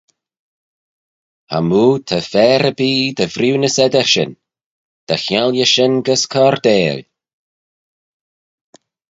Chamoo ta fer erbee dy vriwnys eddyr shin, dy chiangley shin gys coardail.